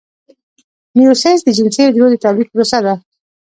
میوسیس د جنسي حجرو د تولید پروسه ده